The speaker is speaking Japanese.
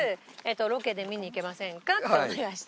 ロケで見に行けませんか？」ってお願いした。